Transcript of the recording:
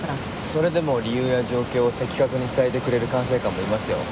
それでも理由や状況を的確に伝えてくれる管制官もいますよ。